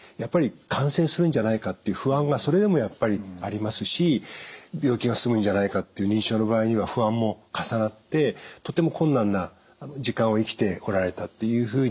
感染するんじゃないかっていう不安がそれでもやっぱりありますし病気が進むんじゃないかっていう認知症の場合には不安も重なってとても困難な時間を生きてこられたっていうふうに思います。